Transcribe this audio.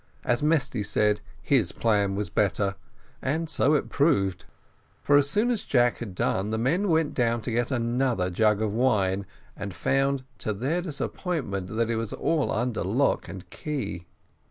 As Mesty said, his plan was better, and so it proved; for as soon as Jack had done, the men went down to get another jug of wine, and found, to their disappointment, that it was all under lock and key.